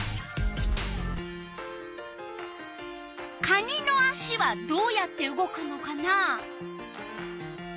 かにのあしはどうやって動くのかな？